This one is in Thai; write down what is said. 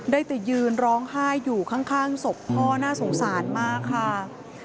ได้แต่ยืนร้องไห้อยู่ข้างศพพ่อน่าสงสารมากค่ะ